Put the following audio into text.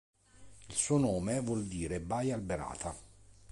Il suo nome vuol dire "baia alberata".